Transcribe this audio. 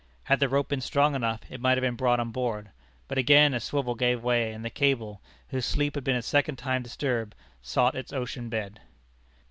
Had the rope been strong enough, it might have been brought on board. But again a swivel gave way, and the cable, whose sleep had been a second time disturbed, sought its ocean bed.